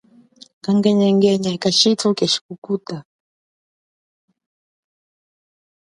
Kangenyingenyi kathuthu keshi kukuta.